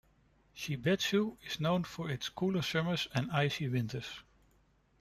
Shibetsu is known for its cooler summers and icy winters.